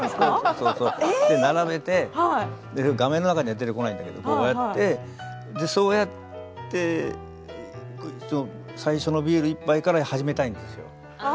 それで並べて画面の中には出てこないんだけどそうやって最初はビール１杯から始めたいんですよ。